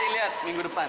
kita lihat minggu depan